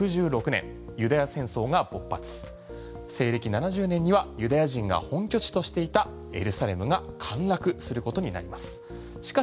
７０年にはユダヤ人が本拠地としていたエルサレムが陥落することになります。